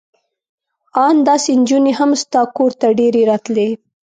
ان داسې نجونې هم ستا کور ته ډېرې راتلې.